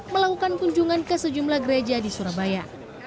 melakukan kunjungan ke sejumlah gereja di surabaya